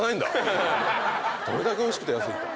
どれだけおいしくて安いか。